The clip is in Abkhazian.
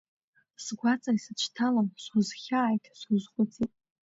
Сгәаҵа исыцәҭалан, сузхьааит, сузхәыцит.